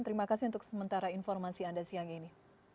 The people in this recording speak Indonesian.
terima kasih untuk sementara informasi anda siang ini